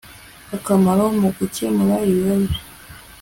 akamaro mugukemura ibibazo